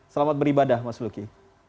selamat beribadah mas lucky